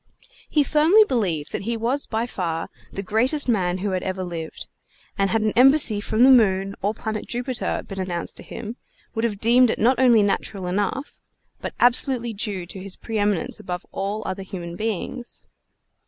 He firmly believed that he was by far the greatest man who had ever lived; and had an embassy from the moon or the planet Jupiter been announced to him, would have deemed it not only natural enough, but absolutely due to his preëminence above all other human beings.